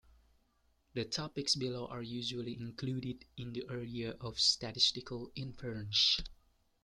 The topics below are usually included in the area of statistical inference.